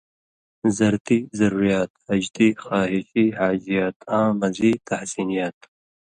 زرتی (ضروریات)، ہَجتی / خواہِشی (حاجیات) آں مزی (تحسینیات)۔